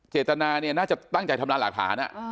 เจตนานี่น่าจะตั้งใจทำราหลากฐานน่ะอ่า